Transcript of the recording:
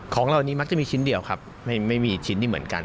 ของเรานี้มักจะมีชิ้นเดียวครับไม่มีชิ้นที่เหมือนกัน